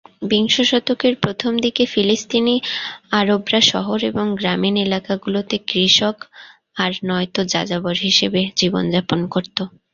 বিংশ শতকের প্রথম দিকে ফিলিস্তিনি আরবরা শহর এবং গ্রামীণ এলাকাগুলোতে কৃষক আর নয়তো যাযাবর হিসেবে জীবনযাপন করতো।